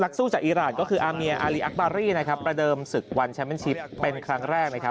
นักสู้จากอีหลานคืออามียาอารีอักบารี่ประเดิมสึกวันแชมเป็นชิปเป็นครั้งแรก